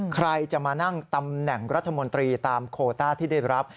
ใครจะมานั่งตำแหน่งรัฐมนตรีตามโคต้าที่ได้รับ